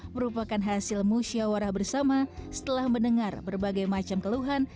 merupakan hasil musyawarah bersama setelah mendengar berbagai macam keluhan